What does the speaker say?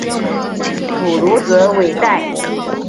普卢泽韦代。